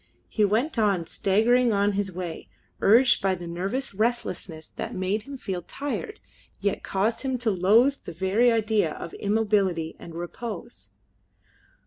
He went on, staggering on his way, urged by the nervous restlessness that made him feel tired yet caused him to loathe the very idea of immobility and repose.